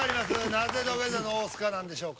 なぜ土下座の大須賀なんでしょうか。